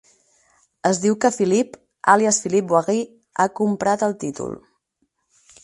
Es diu que Philippe, àlies Philippe Boiry, ha comprat el títol.